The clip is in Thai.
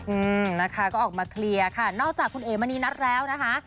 อืมนะคะก็ออกมาเคลียร์ค่ะนอกจากคุณเอ๋มณีนัทแล้วนะคะ